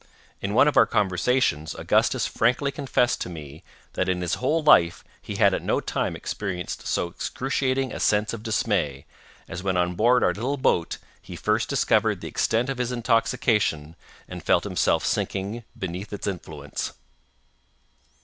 In one of our conversations Augustus frankly confessed to me, that in his whole life he had at no time experienced so excruciating a sense of dismay, as when on board our little boat he first discovered the extent of his intoxication, and felt himself sinking beneath its influence.